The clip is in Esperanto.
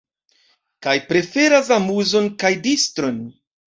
Kaj preferas amuzon kaj distron.